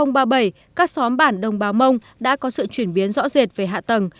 năm hai nghìn ba mươi bảy các xóm bản đồng báo mông đã có sự chuyển biến rõ rệt về hạ tầng